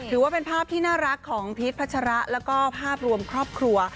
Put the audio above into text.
ถือว่าเป็นภาพที่น่ารักของพีชพัชระแล้วก็ภาพรวมครอบครัว